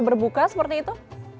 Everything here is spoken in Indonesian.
berbuka seperti itu